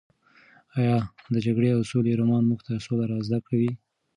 ایا د جګړې او سولې رومان موږ ته سوله را زده کوي؟